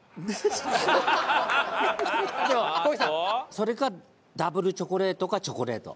それかダブルチョコレートかチョコレート。